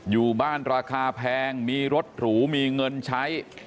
อยู่บ้านราคาแพงมีรถหรูมีเงินใช้